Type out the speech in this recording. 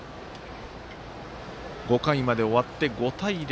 ５回まで終わって５対０。